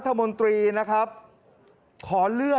ขอเลื่อนสิ่งที่คุณหนูรู้สึก